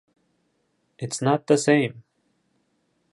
It’s not the same.